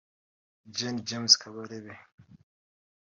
Gen James Kabarebe